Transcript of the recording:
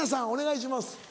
お願いします。